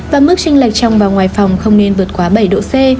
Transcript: và mức tranh lệch trong và ngoài phòng không nên vượt quá bảy độ c